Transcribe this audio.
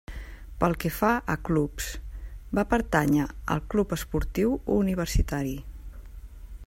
Pel que fa a clubs, va pertànyer al Club Esportiu Universitari.